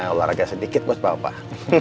olahraga sedikit buat bapak